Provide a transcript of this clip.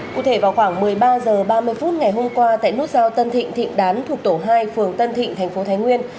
cụ thể vào khoảng một mươi ba h ba mươi phút ngày hôm qua tại nút giao tân thịnh thịnh đán thuộc tổ hai phường tân thịnh thành phố thái nguyên